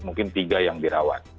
mungkin tiga yang dirawat